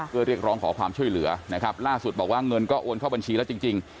เพื่อเรียกร้องขอความช่วยเหลือนะครับล่าสุดบอกว่าเงินก็โอนเข้าบัญชีแล้วจริง